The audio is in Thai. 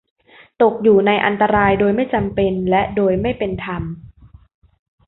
ตกอยู่ในอันตรายโดยไม่จำเป็นและโดยไม่เป็นธรรม